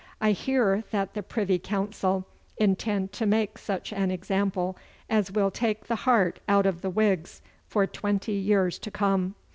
'I hear that the Privy Council intend to make such an example as will take the heart out of the Whigs for twenty years to come.